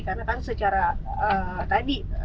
karena kan secara tadi